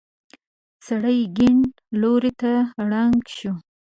سر يې کيڼ لور ته ړنګ شو.